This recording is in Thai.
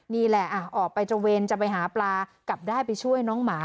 นี่แหละออกไปตระเวนจะไปหาปลากลับได้ไปช่วยน้องหมา